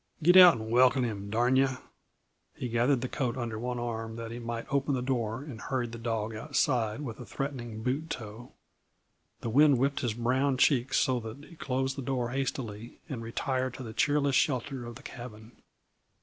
Get out and welcome him, darn yuh!" He gathered the coat under one arm that he might open the door, and hurried the dog outside with a threatening boot toe. The wind whipped his brown cheeks so that he closed the door hastily and retired to the cheerless shelter of the cabin.